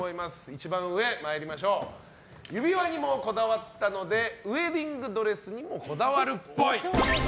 １番上、指輪にもこだわったのでウェディングドレスにもこだわるっぽい。